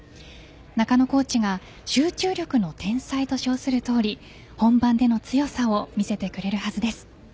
中野コーチが集中力の天才と称するとおり本番での強さを見せてくれるはずです。